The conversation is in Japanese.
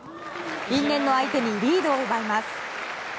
因縁の相手にリードを奪います。